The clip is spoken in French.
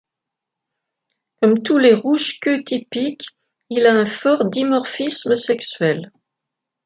Comme tous les rouges-queues typiques, il a un fort dimorphisme sexuel.